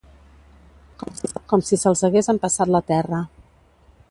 Com si se'ls hagués empassat la terra.